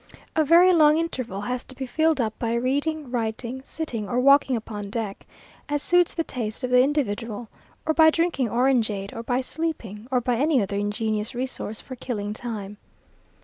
A very long interval has to be filled up by reading, writing, sitting, or walking upon deck, as suits the taste of the individual, or by drinking orangeade, or by sleeping, or by any other ingenious resource for killing time.